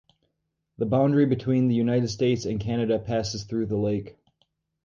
The boundary between the United States and Canada passes through the lake.